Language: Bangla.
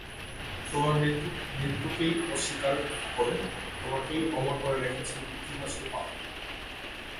তোমার মৃত্যু মৃত্যুকেই অস্বীকার করে তোমাকেই অমর করে রেখেছে ইতিহাসের পাতায়।